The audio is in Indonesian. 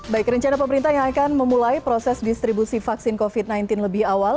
baik rencana pemerintah yang akan memulai proses distribusi vaksin covid sembilan belas lebih awal